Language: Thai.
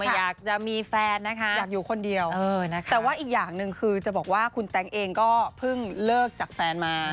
อยากอยู่คนเดียวแต่ว่าอีกอย่างหนึ่งคือจะบอกว่าคุณแต๊งเองก็เพิ่งเลิกจากแฟนมา